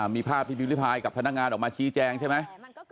มีภาพที่พิมริพายกับพนักงานออกมาชี้แจงใช่ไหม